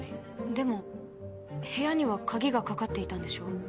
でも部屋には鍵がかかっていたんでしょ？